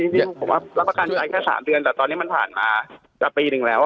ผมว่ารับประกันภัยแค่๓เดือนแต่ตอนนี้มันผ่านมาจะปีหนึ่งแล้ว